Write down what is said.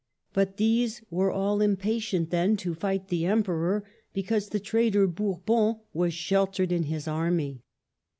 But these were all im patient then to fight the Emperor, because the traitor Bourbon was sheltered in his army.